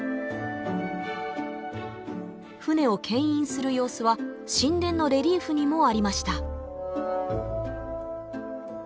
船をけん引する様子は神殿のレリーフにもありました